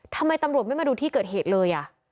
ทำไมตำรวจไม่มาดูที่เกิดเหตุเลย